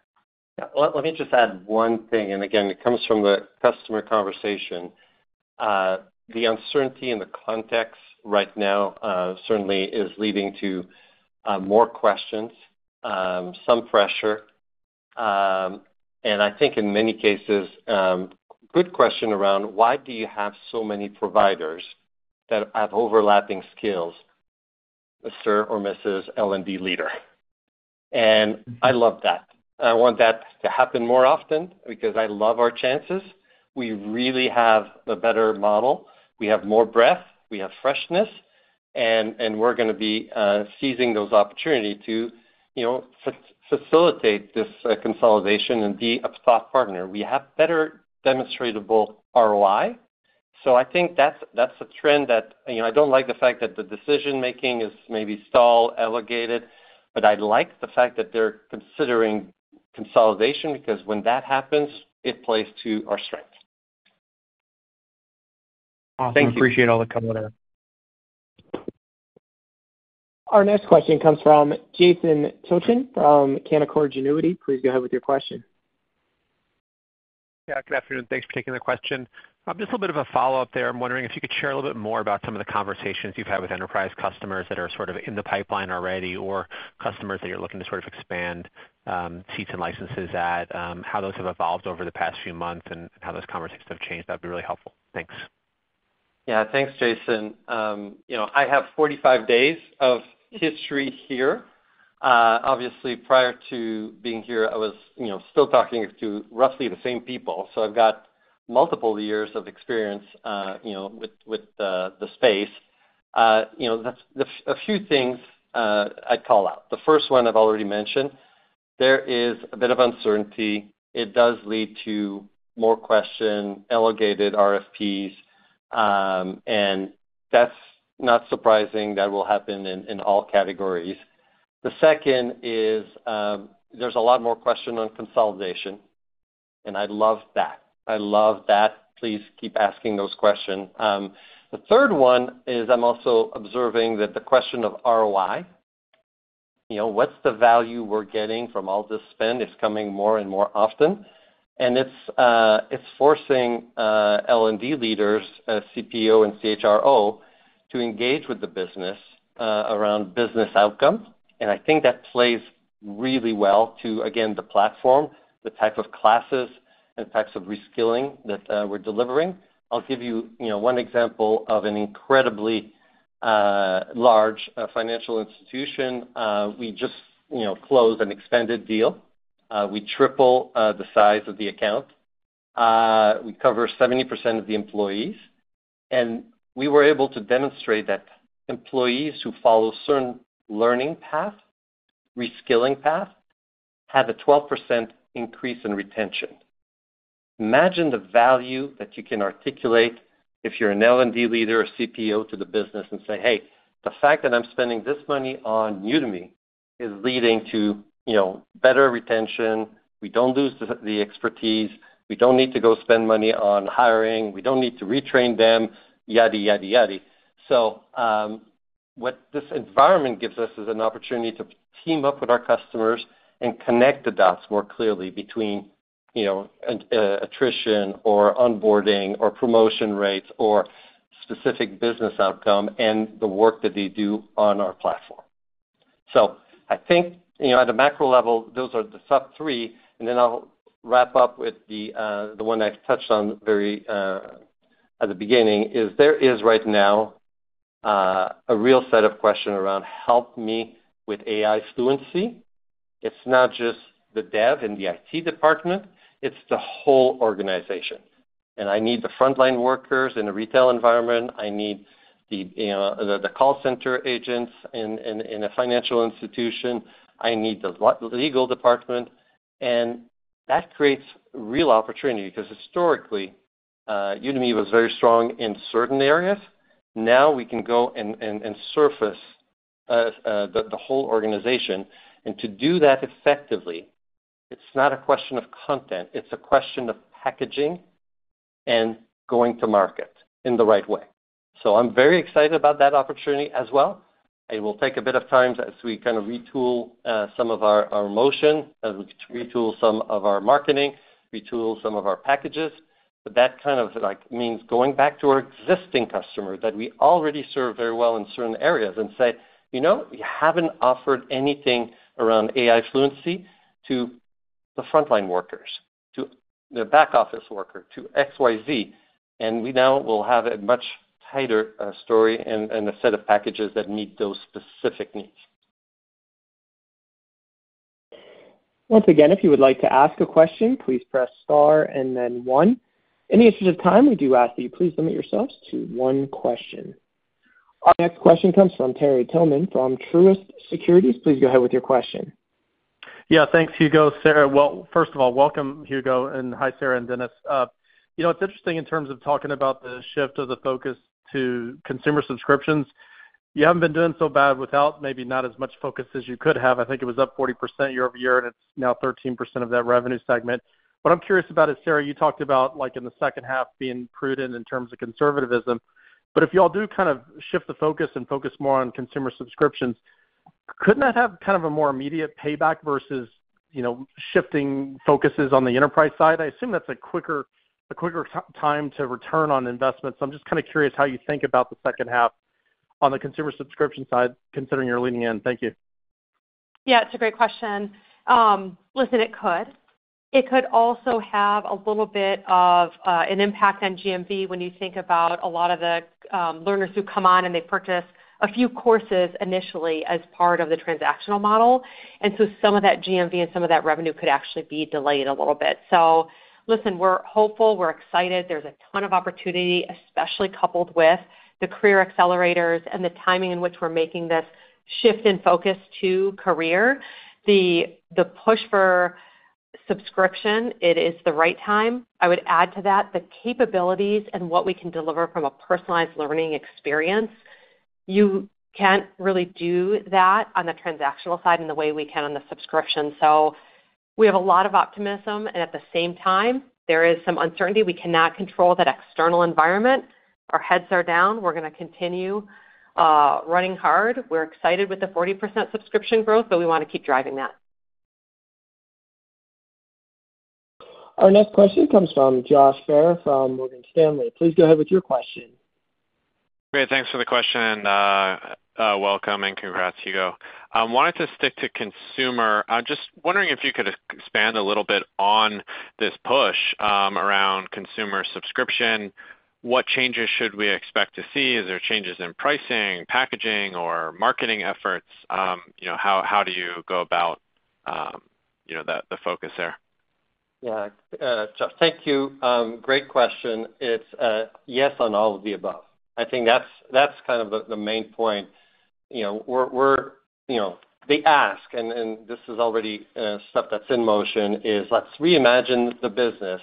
[SPEAKER 6] Let me just add one thing. Again, it comes from the customer conversation.
[SPEAKER 3] The uncertainty in the context right now certainly is leading to more questions, some pressure. I think in many cases, good question around why do you have so many providers that have overlapping skills, Mr. or Mrs. L&D leader? I love that. I want that to happen more often because I love our chances. We really have a better model. We have more breadth. We have freshness. We're going to be seizing those opportunities to facilitate this consolidation and be a thought partner. We have better demonstratable ROI. I think that's a trend that I don't like the fact that the decision-making is maybe stalled, elegated, but I like the fact that they're considering consolidation because when that happens, it plays to our strength. Awesome. Appreciate all the comments.
[SPEAKER 5] Our next question comes from Jason Tilchen from Canaccord Genuity. Please go ahead with your question.
[SPEAKER 7] Yeah Good afternoon. Thanks for taking the question. Just a little bit of a follow-up there. I'm wondering if you could share a little bit more about some of the conversations you've had with enterprise customers that are sort of in the pipeline already or customers that you're looking to sort of expand seats and licenses at, how those have evolved over the past few months and how those conversations have changed. That'd be really helpful. Thanks.
[SPEAKER 3] Yeah. Thanks, Jason. I have 45 days of history here. Obviously, prior to being here, I was still talking to roughly the same people. So I've got multiple years of experience with the space. A few things I'd call out. The first one I've already mentioned. There is a bit of uncertainty. It does lead to more questions, elongated RFPs. That is not surprising. That will happen in all categories. The second is there's a lot more question on consolidation. I love that. I love that. Please keep asking those questions. The third one is I'm also observing that the question of ROI, what's the value we're getting from all this spend, is coming more and more often. It's forcing L&D leaders, CPO, and CHRO to engage with the business around business outcomes. I think that plays really well to, again, the platform, the type of classes, and types of reskilling that we're delivering. I'll give you one example of an incredibly large financial institution. We just closed an expanded deal. We tripled the size of the account. We cover 70% of the employees. We were able to demonstrate that employees who follow a certain learning path, reskilling path, have a 12% increase in retention. Imagine the value that you can articulate if you're an L&D leader or CPO to the business and say, "Hey, the fact that I'm spending this money on Udemy is leading to better retention. We don't lose the expertise. We don't need to go spend money on hiring. We don't need to retrain them, yadda, yadda, yadda." What this environment gives us is an opportunity to team up with our customers and connect the dots more clearly between attrition or onboarding or promotion rates or specific business outcome and the work that they do on our platform. I think at a macro level, those are the top three. I'll wrap up with the one I touched on very at the beginning is there is right now a real set of questions around help me with AI fluency. It's not just the dev and the IT department. It's the whole organization. I need the frontline workers in a retail environment. I need the call center agents in a financial institution. I need the legal department. That creates real opportunity because historically, Udemy was very strong in certain areas. Now we can go and surface the whole organization. To do that effectively, it's not a question of content. It's a question of packaging and going to market in the right way. I'm very excited about that opportunity as well. It will take a bit of time as we kind of retool some of our motion, retool some of our marketing, retool some of our packages. That kind of means going back to our existing customer that we already serve very well in certain areas and say, "You haven't offered anything around AI fluency to the frontline workers, to the back office worker, to XYZ." We now will have a much tighter story and a set of packages that meet those specific needs.
[SPEAKER 5] Once again, if you would like to ask a question, please press star and then one. In the interest of time, we do ask that you please limit yourselves to one question. Our next question comes from Terry Tillman from Truist Securities. Please go ahead with your question.
[SPEAKER 8] Yeah. Thanks, Hugo, Sarah. First of all, welcome, Hugo. Hi, Sarah and Dennis. It's interesting in terms of talking about the shift of the focus to consumer subscriptions. You have not been doing so bad without maybe not as much focus as you could have. I think it was up 40% year over year, and it is now 13% of that revenue segment. What I am curious about is, Sarah, you talked about in the second half being prudent in terms of conservatism. If you all do kind of shift the focus and focus more on consumer subscriptions, could not that have kind of a more immediate payback versus shifting focuses on the enterprise side? I assume that is a quicker time to return on investments. I am just kind of curious how you think about the second half on the consumer subscription side ,considering you are leading in. Thank you.
[SPEAKER 4] Yeah. It is a great question. Listen, it could. It could also have a little bit of an impact on GMV when you think about a lot of the learners who come on and they purchase a few courses initially as part of the transactional model. Some of that GMV and some of that revenue could actually be delayed a little bit. Listen, we're hopeful. We're excited. There's a ton of opportunity, especially coupled with the career accelerators and the timing in which we're making this shift in focus to career. The push for subscription, it is the right time. I would add to that the capabilities and what we can deliver from a personalized learning experience. You can't really do that on the transactional side in the way we can on the subscription. We have a lot of optimism. At the same time, there is some uncertainty. We cannot control that external environment. Our heads are down. We're going to continue running hard. We're excited with the 40% subscription growth, but we want to keep driving that.
[SPEAKER 5] Our next question comes from Josh Baer from Morgan stanley.
[SPEAKER 9] Great. Thanks for the question. Welcome and congrats, Hugo. I wanted to stick to consumer. I'm just wondering if you could expand a little bit on this push around consumer subscription. What changes should we expect to see? Is there changes in pricing, packaging, or marketing efforts? How do you go about the focus there?
[SPEAKER 3] Yeah., thank you. Great question. It's a yes on all of the above. I think that's kind of the main point. The ask, and this is already stuff that's in motion, is let's reimagine the business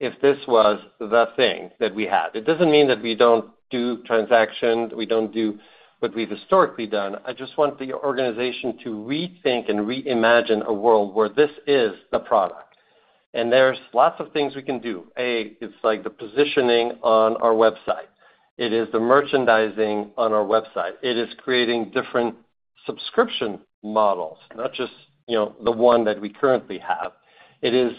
[SPEAKER 3] if this was the thing that we had. It doesn't mean that we don't do transactions. We don't do what we've historically done. I just want the organization to rethink and reimagine a world where this is the product. There are lots of things we can do. A, it's like the positioning on our website. It is the merchandising on our website. It is creating different subscription models, not just the one that we currently have. It is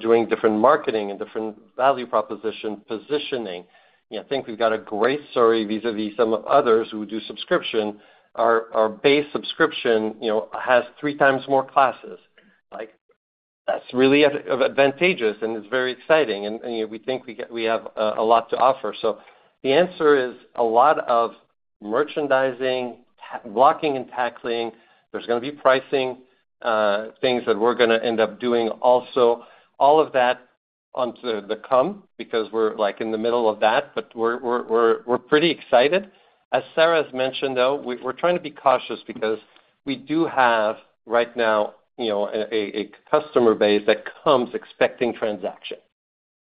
[SPEAKER 3] doing different marketing and different value proposition positioning. I think we've got a great story vis-à-vis some of others who do subscription. Our base subscription has three times more classes. That's really advantageous, and it's very exciting. We think we have a lot to offer. The answer is a lot of merchandising, blocking and tackling. There is going to be pricing, things that we're going to end up doing also. All of that onto the come because we're in the middle of that, but we're pretty excited. As Sarah has mentioned, though, we're trying to be cautious because we do have right now a customer base that comes expecting transaction.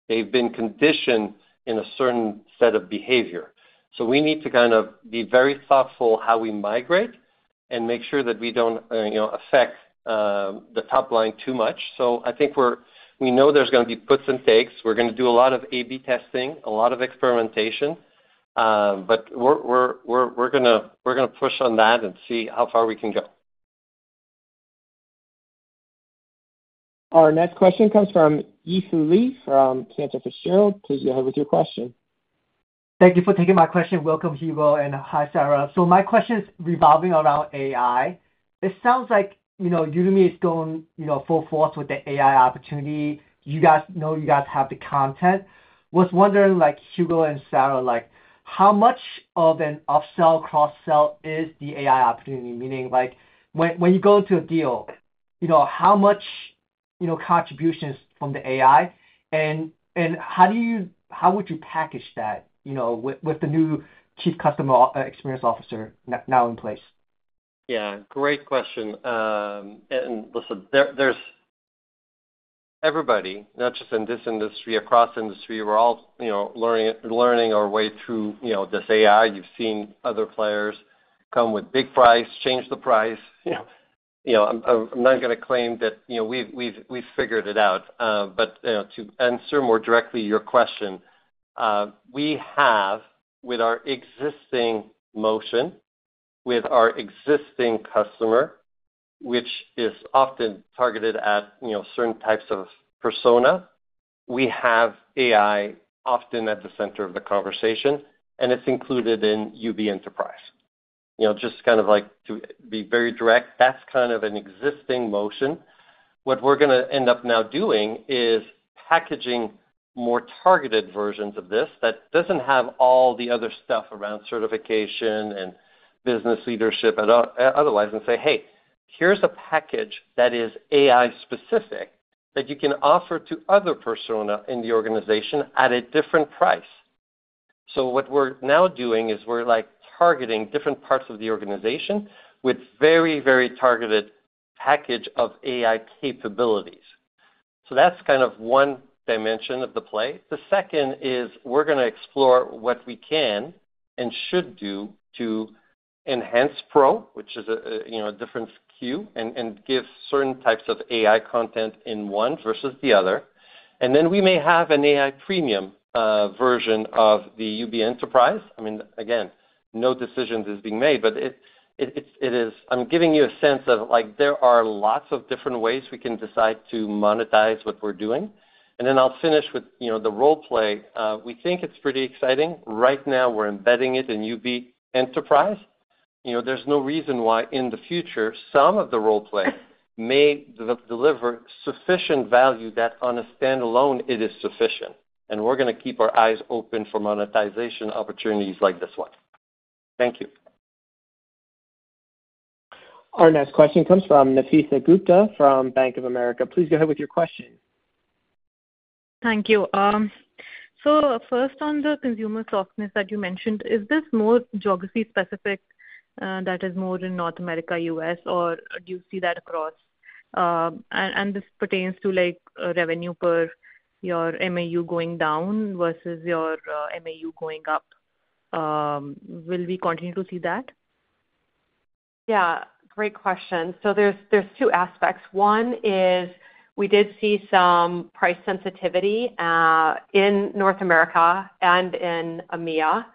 [SPEAKER 3] They've been conditioned in a certain set of behavior. We need to kind of be very thoughtful how we migrate and make sure that we don't affect the top line too much. I think we know there's going to be puts and takes. We're going to do a lot of A/B testing, a lot of experimentation, but we're going to push on that and see how far we can go.
[SPEAKER 5] Our next question comes from Ethan Lee from Canaccord Genuity. Please go ahead with your question.
[SPEAKER 10] Thank you for taking my question. Welcome, Hugo, and hi, Sarah. My question is revolving around AI. It sounds like Udemy is going full force with the AI opportunity. You guys know you guys have the content. I was wondering, Hugo and Sarah, how much of an upsell cross-sell is the AI opportunity? Meaning when you go into a deal, how much contribution is from the AI? How would you package that with the new Chief Customer Experience Officer now in place?
[SPEAKER 3] Yeah. Great question. Listen, everybody, not just in this industry, across industry, we're all learning our way through this AI. You've seen other players come with big price, change the price. I'm not going to claim that we've figured it out. To answer more directly your question, we have with our existing motion, with our existing customer, which is often targeted at certain types of persona, we have AI often at the center of the conversation, and it's included in UB Enterprise. Just kind of to be very direct, that's kind of an existing motion. What we're going to end up now doing is packaging more targeted versions of this that doesn't have all the other stuff around certification and business leadership and otherwise and say, "Hey, here's a package that is AI-specific that you can offer to other persona in the organization at a different price." What we're now doing is we're targeting different parts of the organization with very, very targeted package of AI capabilities. That's kind of one dimension of the play. The second is we're going to explore what we can and should do to enhance Pro, which is a different SKU, and give certain types of AI content in one versus the other. We may have an AI premium version of the UB Enterprise. I mean, again, no decision is being made, but I'm giving you a sense of there are lots of different ways we can decide to monetize what we're doing. I will finish with the role play. We think it's pretty exciting. Right now, we're embedding it in UB Enterprise. There's no reason why in the future some of the role play may deliver sufficient value that on a standalone, it is sufficient. We're going to keep our eyes open for monetization opportunities like this one. Thank you.
[SPEAKER 5] Our next question comes from Nafeesa Gupta from Bank of America. Please go ahead with your question. Thank you. First, on the consumer softness that you mentioned, is this more geography-specific that is more in North America, U.S., or do you see that across? This pertains to revenue per your MAU going down versus your MAU going up. Will we continue to see that?
[SPEAKER 4] Yeah. Great question. There are two aspects. One is we did see some price sensitivity in North America and in EMEA,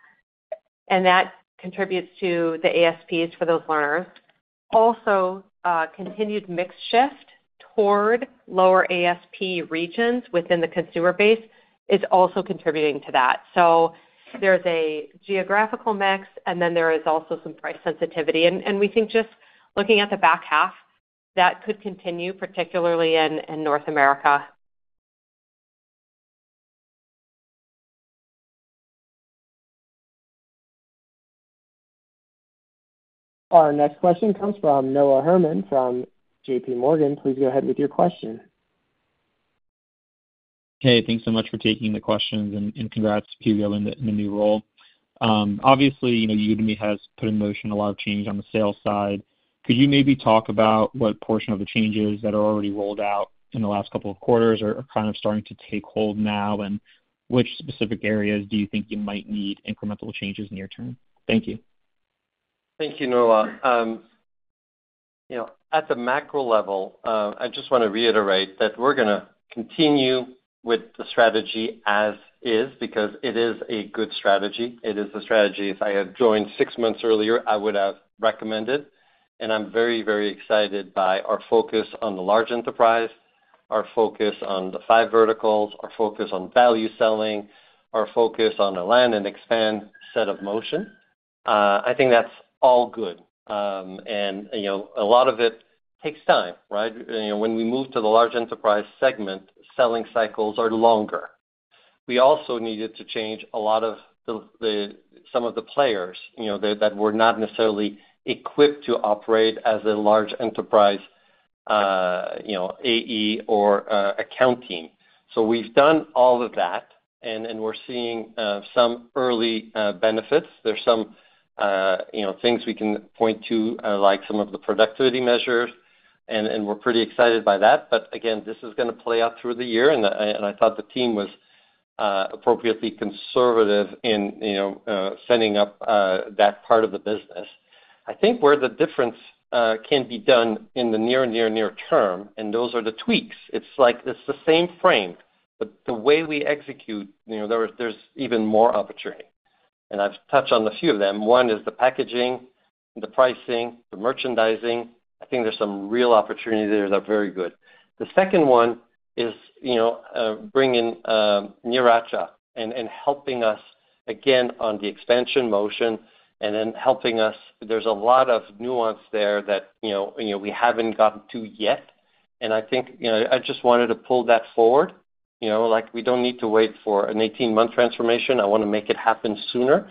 [SPEAKER 4] and that contributes to the ASPs for those learners. Also, continued mix shift toward lower ASP regions within the consumer base is also contributing to that. There is a geographical mix, and then there is also some price sensitivity. We think just looking at the back half, that could continue, particularly in North America.
[SPEAKER 5] Our next question comes from Noah Herman from JPMorgan. Please go ahead with your question.
[SPEAKER 11] Hey, thanks so much for taking the questions, and congrats, Hugo, on the new role. Obviously, Udemy has put in motion a lot of change on the sales side. Could you maybe talk about what portion of the changes that are already rolled out in the last couple of quarters are kind of starting to take hold now, and which specific areas do you think you might need incremental changes near term? Thank you.
[SPEAKER 3] Thank you, Noah. At the macro level, I just want to reiterate that we're going to continue with the strategy as is because it is a good strategy. It is the strategy if I had joined six months earlier, I would have recommended. I am very, very excited by our focus on the large enterprise, our focus on the five verticals, our focus on value selling, our focus on a land and expand set of motion. I think that's all good. A lot of it takes time, right? When we move to the large enterprise segment, selling cycles are longer. We also needed to change a lot of some of the players that were not necessarily equipped to operate as a large enterprise AE or account team. We have done all of that, and we are seeing some early benefits. There are some things we can point to, like some of the productivity measures, and we are pretty excited by that. This is going to play out through the year, and I thought the team was appropriately conservative in setting up that part of the business. I think where the difference can be done in the near and near near term, and those are the tweaks. It is the same frame. The way we execute, there is even more opportunity. I have touched on a few of them. One is the packaging, the pricing, the merchandising. I think there is some real opportunity there that are very good. The second one is bringing in Naracha and helping us again on the expansion motion and then helping us. There's a lot of nuance there that we haven't gotten to yet. I think I just wanted to pull that forward. We don't need to wait for an 18-month transformation. I want to make it happen sooner.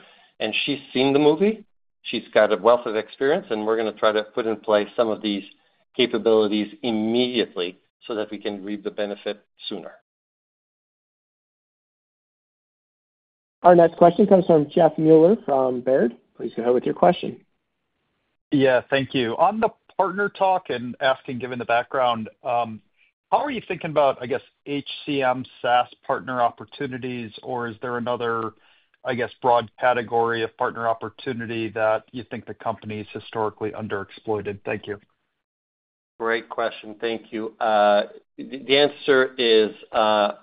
[SPEAKER 3] She's seen the movie. She's got a wealth of experience, and we're going to try to put in place some of these capabilities immediately so that we can reap the benefit sooner.
[SPEAKER 5] Our next question comes from Jeff Mueller from Baird. Please go ahead with your question.
[SPEAKER 12] Yeah. Thank you. On the partner talk and asking, given the background, how are you thinking about, I guess, HCM SaaS partner opportunities, or is there another, I guess, broad category of partner opportunity that you think the company has historically underexploited? Thank you.
[SPEAKER 3] Great question. Thank you. The answer is a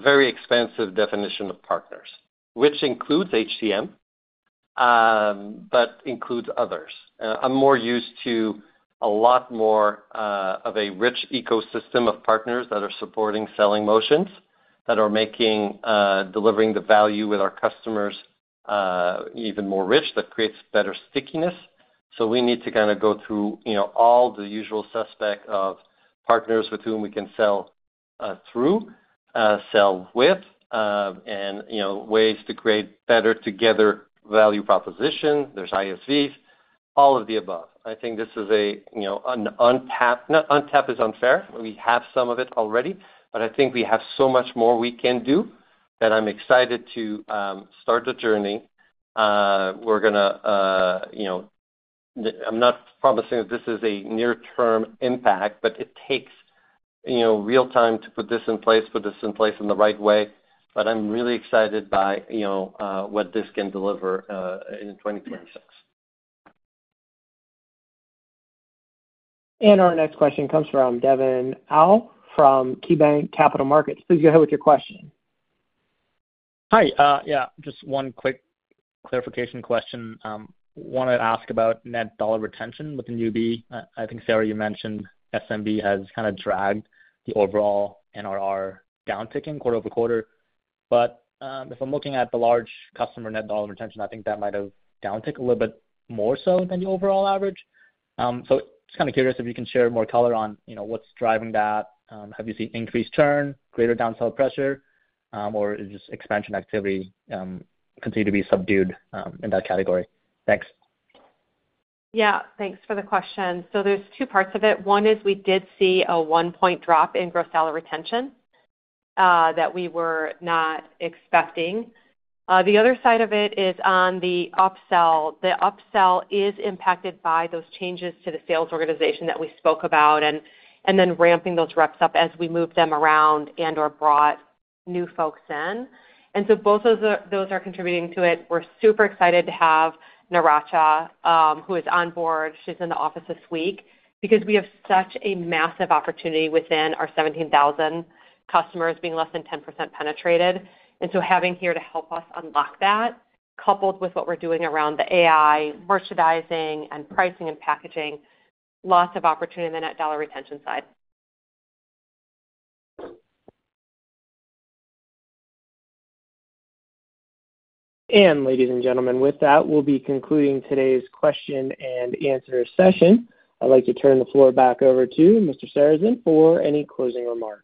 [SPEAKER 3] very expansive definition of partners, which includes HCM, but includes others. I'm more used to a lot more of a rich ecosystem of partners that are supporting selling motions, that are making delivering the value with our customers even more rich, that creates better stickiness. We need to kind of go through all the usual suspect of partners with whom we can sell through, sell with, and ways to create better together value proposition. There's ISVs, all of the above. I think this is an untapped. Not untapped is unfair. We have some of it already, but I think we have so much more we can do that I'm excited to start the journey. We're going to--I'm not promising that this is a near-term impact, but it takes real time to put this in place, put this in place in the right way. I'm really excited by what this can deliver in 2026.
[SPEAKER 5] Our next question comes from Devin Au from KeyBanc Capital Markets. Please go ahead with your question.
[SPEAKER 13] Hi. Yeah. Just one quick clarification question. I want to ask about net dollar retention within UB. I think, Sarah, you mentioned SMB has kind of dragged the overall NDR downticking quarter over quarter. If I'm looking at the large customer net dollar retention, I think that might have downticked a little bit more so than the overall average. It's kind of curious if you can share more color on what's driving that. Have you seen increased churn, greater downsell pressure, or is just expansion activity continue to be subdued in that category? Thanks.
[SPEAKER 4] Yeah. Thanks for the question. There are two parts of it. One is we did see a one-point drop in gross dollar retention that we were not expecting. The other side of it is on the upsell. The upsell is impacted by those changes to the sales organization that we spoke about and then ramping those reps up as we moved them around and/or brought new folks in. Both of those are contributing to it. We're super excited to have Naracha, who is on board. She's in the office this week because we have such a massive opportunity within our 17,000 customers being less than 10% penetrated. Having her to help us unlock that, coupled with what we're doing around the AI, merchandising, and pricing and packaging, lots of opportunity on the net dollar retention side.
[SPEAKER 5] Ladies and gentlemen, with that, we'll be concluding today's question and answer session. I'd like to turn the floor back over to Mr. Sarrazin for any closing remarks.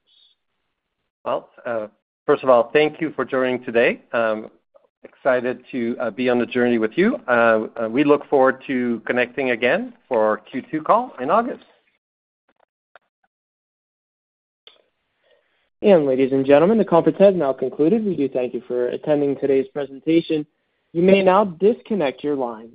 [SPEAKER 3] First of all, thank you for joining today. Excited to be on the journey with you. We look forward to connecting again for our Q2 call in August.
[SPEAKER 1] Ladies and gentlemen, the conference has now concluded. We do thank you for attending today's presentation. You may now disconnect your line.